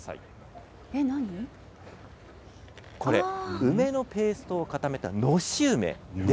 梅のペーストを固めたのし梅。